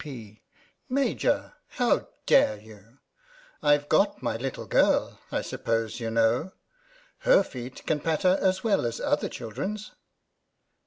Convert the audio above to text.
: Major ! How dare you ? IVe got my little girl, I suppose you know. Her feet can patter as well as other children's.